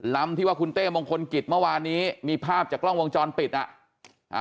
ลำที่ว่าคุณเต้มงคลกิจเมื่อวานนี้มีภาพจากกล้องวงจรปิดอ่ะอ่า